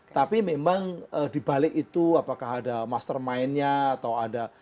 tapi memang dibalik itu apakah ada mastermindnya atau ada